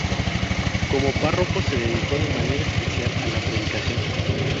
Como párroco se dedicó de manera especial a la predicación.